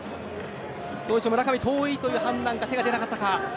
村上、遠いという判断か手が出なかったか。